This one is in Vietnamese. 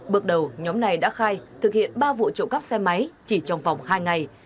bước đầu nhóm này đã khai thực hiện ba vụ trộm cắp xe máy chỉ trong vòng hai ngày